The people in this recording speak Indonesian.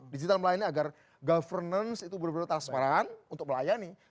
digital melayani agar governance itu benar benar transparan untuk melayani